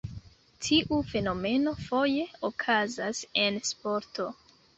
Tiu fenomeno foje okazas en sporto.